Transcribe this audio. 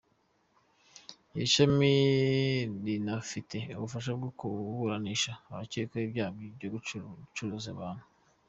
Iri shami rinafite ububasha bwo kuburanisha abakekwaho ibyaha byo gucuruza abantu.